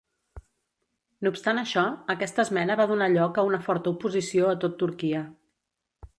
No obstant això, aquesta esmena va donar lloc a una forta oposició a tot Turquia.